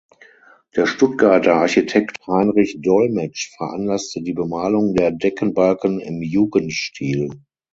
Der Stuttgarter Architekt Heinrich Dolmetsch veranlasste die Bemalung der Deckenbalken im Jugendstil.